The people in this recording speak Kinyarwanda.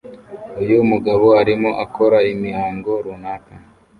Uyu mugabo arimo akora imihango runaka